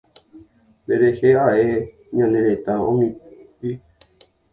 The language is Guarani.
Nderehe ae ko ñane retã omimbi.